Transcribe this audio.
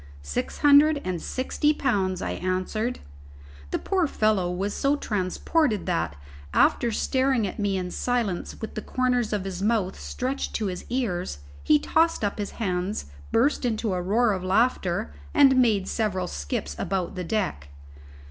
"Six hundred and sixty pounds," I answered. The poor fellow was so transported that, after staring at me in silence with the corners of his mouth stretched to his ears, he tossed up his hands, burst into a roar of laughter, and made several skips about the deck.